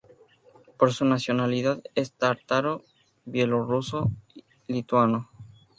Por su nacionalidad es tártaro bielorruso lituano.